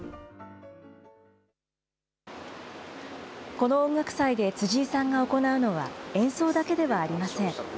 この音楽祭で辻井さんが行うのは、演奏だけではありません。